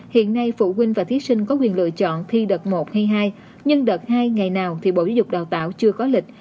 hiện nay phụ huynh và thí sinh có quyền lựa chọn thi đợt một hay hai nhưng đợt hai ngày nào thì bộ giáo dục đào tạo chưa có lịch